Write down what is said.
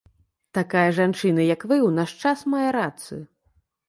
Такая жанчына, як вы, у наш час мае рацыю.